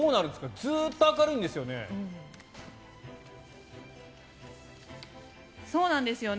ずっと明るいんですよね。